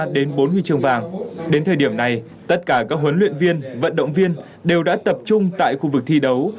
đến thời điểm này tất cả các huấn luyện viên vận động viên đều đã tập trung tại khu vực thi đấu